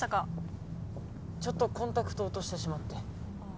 ・ちょっとコンタクトを落としてしまって。